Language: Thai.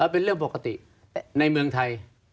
เป็นเรื่องปกติในเมืองไทย